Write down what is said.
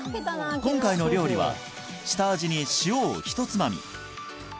今回の料理は下味に塩をひとつまみ